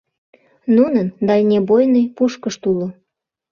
Нунын дальнебойный пушкышт уло!